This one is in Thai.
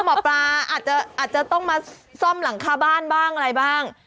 หมอปลาอาจจะต้องมาซ่อมหลังคาบ้านบ้างอะไรบ้าง